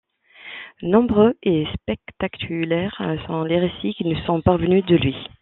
Nombreux et spectaculaires sont les récits qui nous sont parvenus de lui.